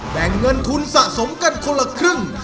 แบ่งเงินทุนสะสมกันคนละครึ่ง